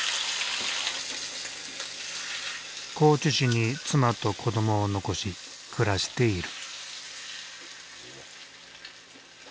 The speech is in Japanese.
高知市に妻と子どもを残し暮らしている。